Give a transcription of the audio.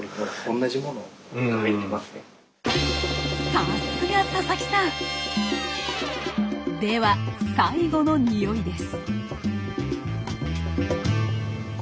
さすが佐々木さん！では最後のニオイです。